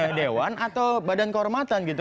atau badan dewan atau badan kehormatan gitu